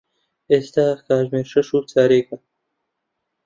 ئێستا کاتژمێر شەش و چارەگە.